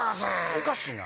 おかしいな！